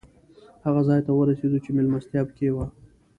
هغه ځای ته ورسېدو چې مېلمستیا پکې وه.